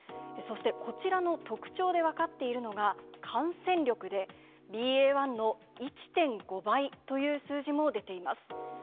そしてこちらの特徴で分かっているのが、感染力で、ＢＡ．１の１．５倍という数字も出ています。